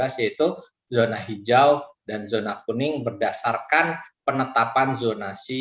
yaitu zona hijau dan zona kuning berdasarkan penetapan zonasi